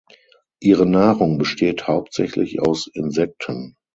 Ihre Nahrung besteht hauptsächlich aus Insekten.